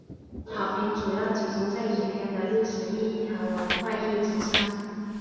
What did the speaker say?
好评主要集中在影片的历史意义和文化意义之上。